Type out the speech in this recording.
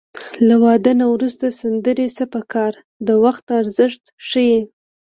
له واده نه وروسته سندرې څه په کار د وخت ارزښت ښيي